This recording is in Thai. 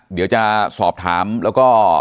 เดี๋ยวจะสอบถามแล้วก็